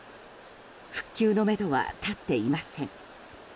復旧のめどは立っていません。